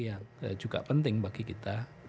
yang juga penting bagi kita